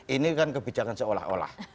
ini kan kebijakan seolah olah